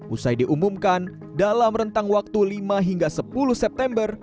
usai diumumkan dalam rentang waktu lima hingga sepuluh september